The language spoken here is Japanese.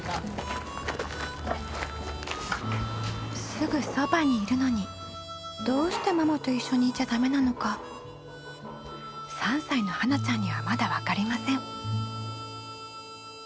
すぐそばにいるのにどうしてママと一緒にいちゃダメなのか３歳の芭那ちゃんにはまだわかりません。